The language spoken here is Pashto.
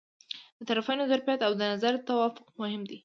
د طرفینو ظرفیت او د نظر توافق مهم دي.